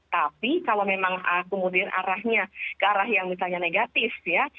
tapi kalau memang kemudian arahnya ke arah yang misalnya negatif ya